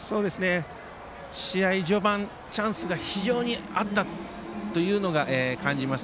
試合序盤チャンスが非常にあったというのが感じます。